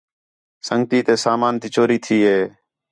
سنڳتی تے سامان تی چوری تھی ہے